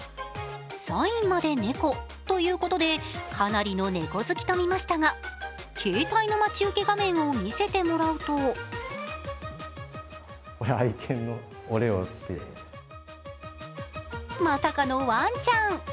サインまで猫ということで、かなりの猫好きと見ましたが携帯の待ち受け画面を見せてもらうとまさかのワンちゃん。